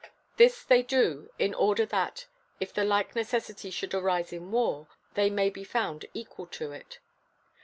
This they do in order that, if the like necessity should arise in war, they may be found equal to it.